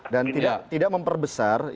dan tidak memperbesar